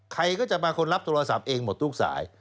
ใครก็จะเป็นคนรับโทรศัพท์เองหมดทุกสาย